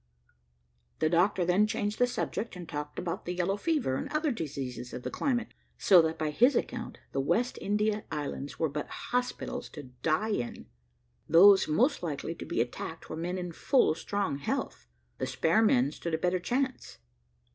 The doctor then changed the subject, and talked about the yellow fever, and other diseases of the climate; so that by his account, the West India islands were but hospitals to die in. Those most likely to be attacked were men in full strong health. The spare men stood a better chance.